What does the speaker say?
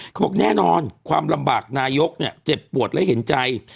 เขาบอกแน่นอนความลำบากนายกเนี่ยเจ็บปวดและเห็นใจ